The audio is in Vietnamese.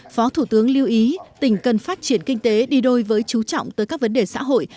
phó thủ tướng lưu ý tỉnh cần phát triển kinh tế đi đôi với chú trọng tới các vấn đề xã hội